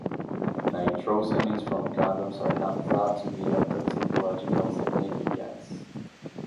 Nitrosamines from condoms are not thought to be of toxicological significance.